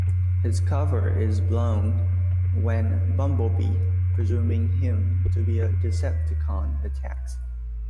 His cover is blown when Bumblebee, presuming him to be a Decepticon, attacks.